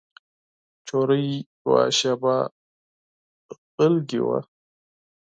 نجلۍ یوه شېبه غلی وه.